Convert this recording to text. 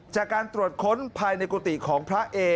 จากการตรวจค้นภายในกุฏิของพระเอ